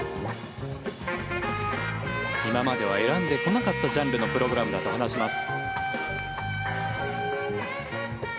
今までは選んでこなかったジャンルのプログラムだと話します。